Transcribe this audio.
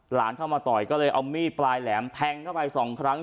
หลานเข้ามาต่อยก็เลยเอามีดปลายแหลมแทงเข้าไปสองครั้ง